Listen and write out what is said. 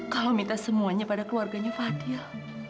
kalau minta semuanya pada keluarganya fadil